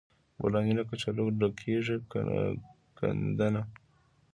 بولاني له کچالو ډکیږي که ګندنه؟